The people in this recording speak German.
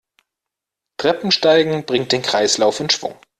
Treppensteigen bringt den Kreislauf in Schwung.